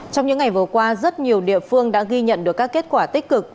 trong những ngày vừa qua rất nhiều địa phương đã ghi nhận được các kết quả tích cực